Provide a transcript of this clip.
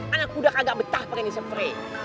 ana kuda kagak betah pake ini spray